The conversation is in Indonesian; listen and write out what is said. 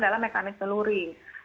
dalam mekanisme luring